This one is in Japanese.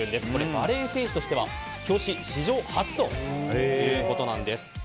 バレー選手としては表紙史上初ということなんです。